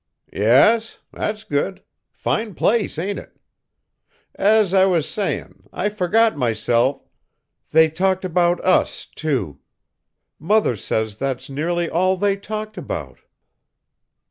"Yes? That's good. Fine place, ain't it? As I was sayin', I forgot myself " "They talked about us, too; mother says that's nearly all they talked about."